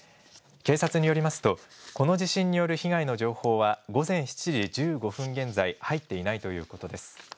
警察によりますと、この地震による被害の情報は午前７時１５分現在、入っていないということです。